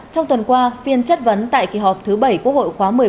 trong tuần qua phiên chất vấn tại kỳ họp thứ bảy quốc hội khóa một mươi bốn